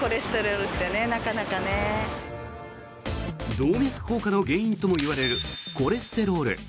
動脈硬化の原因ともいわれるコレステロール。